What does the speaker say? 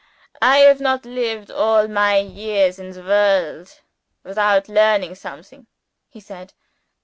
"I have not lived all my years in the world, without learning something," he said.